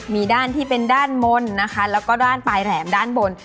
มีด้านที่เป็นด้านบนนะคะแล้วก็ด้านปลายแหลมด้านบน